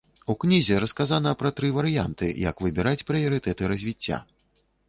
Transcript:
У кнізе расказана пра тры варыянты, як выбіраць прыярытэты развіцця.